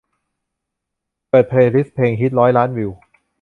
เปิดเพลย์ลิสต์เพลงฮิตร้อยล้านวิว